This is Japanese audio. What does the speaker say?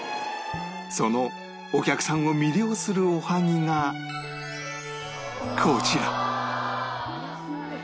そのお客さんを魅了するおはぎがこちら